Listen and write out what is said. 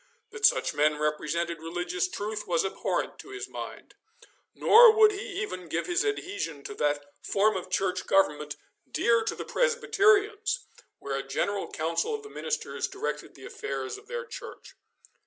That such men represented religious truth was abhorrent to his mind, nor would he even give his adhesion to that form of church government dear to the Presbyterians, where a general council of the ministers directed the affairs of their church.